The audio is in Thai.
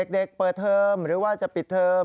เปิดเทอมหรือว่าจะปิดเทอม